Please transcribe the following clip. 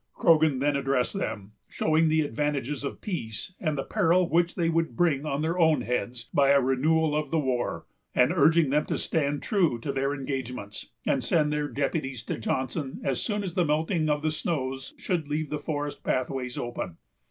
Croghan then addressed them, showing the advantages of peace, and the peril which they would bring on their own heads by a renewal of the war; and urging them to stand true to their engagements, and send their deputies to Johnson as soon as the melting of the snows should leave the forest pathways open.